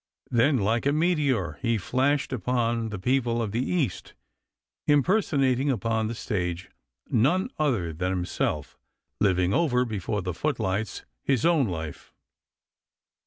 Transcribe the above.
Then, like a meteor, he flashed upon the people of the East, impersonating upon the stage none other than himself, living over before the footlights his own life.